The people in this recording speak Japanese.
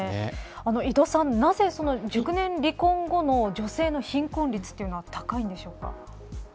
井戸さん、なぜ熟年離婚後の女性の貧困率というのが高いんでしょうか。